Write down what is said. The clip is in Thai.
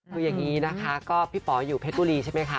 คืออย่างนี้นะคะก็พี่ป๋ออยู่เพชรบุรีใช่ไหมคะ